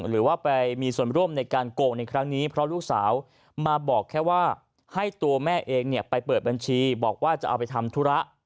หรือว่าไปมีส่วนร่วมในการโกงในครั้งนี้เพราะลูกสาวมาบอกแค่ว่าให้ตัวแม่เองเนี่ยไปเปิดบัญชีบอกว่าจะเอาไปทำธุระ